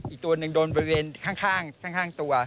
อีกตัวหนึ่งโดนบริเวณข้างตัว